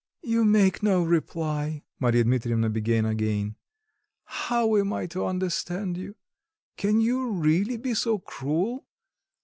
"You make no reply," Marya Dmitrievna began again. "How am I to understand you? Can you really be so cruel?